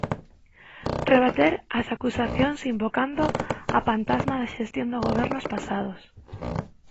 Rebater as acusacións invocando a pantasma da xestión de gobernos pasados.